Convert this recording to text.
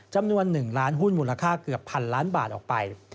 จำนวน๑ล้านหุ้นมูลค่าเกือบพันล้านบาทออกไป